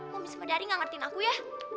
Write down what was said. mau bis madari gak ngertiin aku ya